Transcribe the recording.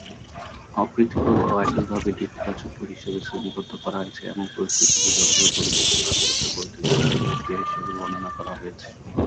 অপ্রীতিকর এবং একইভাবে নেতিবাচক হিসাবে শ্রেণীবদ্ধ করা হয়েছে এমন পরিস্থিতি জলবায়ু পরিবর্তনের বাস্তবতার বৈধ যৌক্তিক প্রতিক্রিয়া হিসাবে বর্ণনা করা হয়েছে।